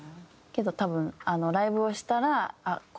けど多分ライブをしたらあっ